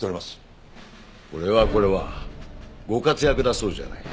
これはこれはご活躍だそうじゃないか。